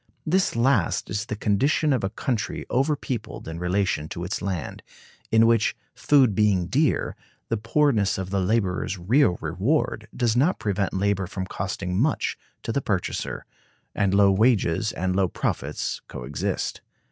This last is the condition of a country over peopled in relation to its land; in which, food being dear, the poorness of the laborer's real reward does not prevent labor from costing much to the purchaser, and low wages and low profits coexist.